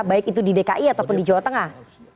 baik itu di dki ataupun di jawa tengah